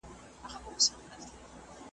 یو د بل په صفتونو به ګویان وه .